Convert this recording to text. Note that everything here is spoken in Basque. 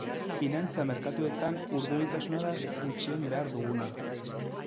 Finantza merkatuetan urduritasuna da gutxien behar duguna.